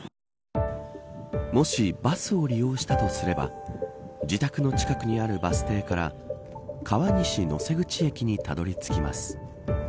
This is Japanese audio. もしバスを利用したとすれば自宅の近くにあるバス停から川西能勢口駅にたどり着きます。